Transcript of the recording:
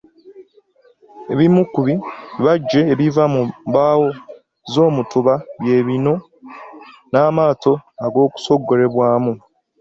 Ebimu ku bibajje ebiva mu mbaawo z’omutuba bye ebinu n'amaato agasogolebwamu.